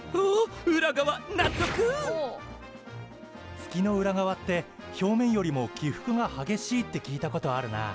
月の裏側って表面よりも起伏が激しいって聞いたことあるなあ。